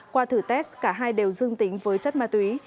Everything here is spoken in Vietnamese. qua thử test cả hai đều dương tính với chất ma túy